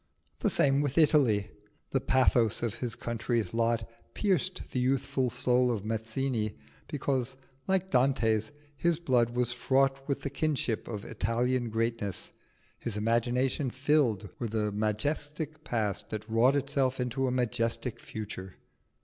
The same with Italy: the pathos of his country's lot pierced the youthful soul of Mazzini, because, like Dante's, his blood was fraught with the kinship of Italian greatness, his imagination filled with a majestic past that wrought itself into a majestic future.